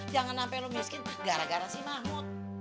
jangan sampe lo miskin gara gara si mahmud